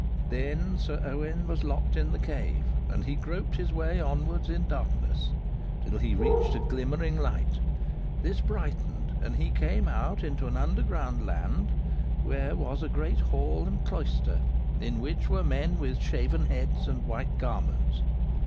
Then Sir Owain was locked in the cave, and he groped his way onward in darkness, till he reached a glimmering light; this brightened, and he came out into an underground land, where was a great hall and cloister, in which were men with shaven heads and white garments.